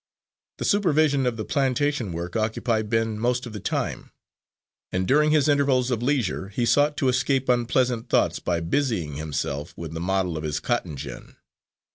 The supervision of the plantation work occupied Ben most of the time, and during his intervals of leisure he sought to escape unpleasant thoughts by busying himself with the model of his cotton gin.